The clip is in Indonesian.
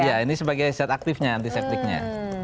iya ini sebagai zat aktifnya antiseptiknya